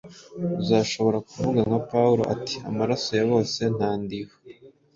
uzasobora kuvuga nka Pawulo ati, “Amaraso ya bose ntandiho.”